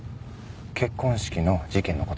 結婚式の事件の事。